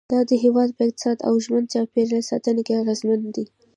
دا د هېواد په اقتصاد او د ژوند چاپېریال ساتنه کې اغیزمن دي.